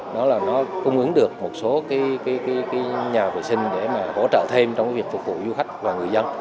đó là nó cung ứng được một số cái nhà vệ sinh để mà hỗ trợ thêm trong việc phục vụ du khách và người dân